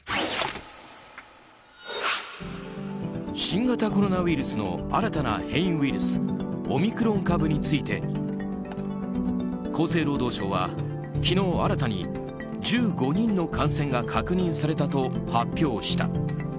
新型コロナウイルスの新たな変異ウイルスオミクロン株について厚生労働省は昨日新たに、１５人の感染が確認されたと発表した。